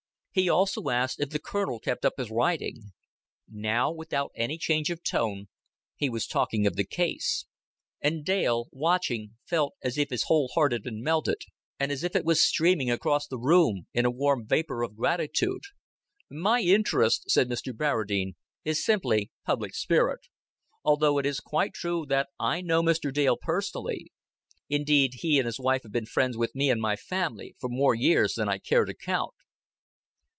He also asked if the Colonel kept up his riding. Now, without any change of tone, he was talking of the case. And Dale, watching, felt as if his whole heart had been melted, and as if it was streaming across the room in a warm vapor of gratitude. "My interest," said Mr. Barradine, "is simply public spirit; although it is quite true that I know Mr. Dale personally. Indeed, he and his wife have been friends with me and my family for more years than I care to count."